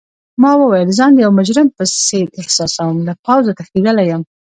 ما وویل: ځان د یو مجرم په څېر احساسوم، له پوځه تښتیدلی یم.